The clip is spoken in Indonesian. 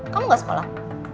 kamu gak sekolah